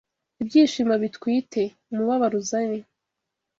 Ibyishimo bitwite. Umubabaro uzane